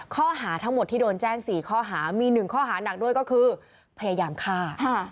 ข้อหาทั้งหมดที่โดนแจ้ง๔ข้อหามี๑ข้อหานักด้วยก็คือพยายามฆ่า